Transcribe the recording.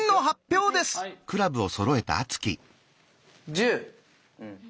１０。